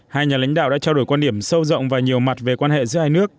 hai nhà lãnh đạo đã trao đổi quan điểm sâu rộng và nhiều mặt về quan hệ giữa hai nước